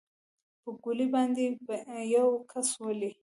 په ګولۍ باندې به يو كس ولې.